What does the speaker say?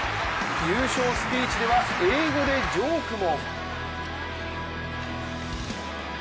優勝スピーチでは、英語でジョークも。